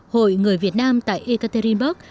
hội người việt nam tại ekaterinburg